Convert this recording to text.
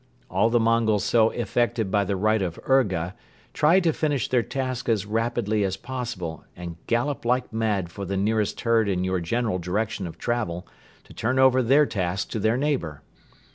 All the Mongols so effected by the right of urga try to finish their task as rapidly as possible and gallop like mad for the nearest herd in your general direction of travel to turn over their task to their neighbor.